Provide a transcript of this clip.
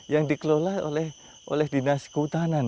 yang dikelola oleh dinas kehutanan